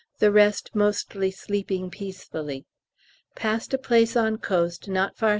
the rest mostly sleeping peacefully. Passed a place on coast not far S.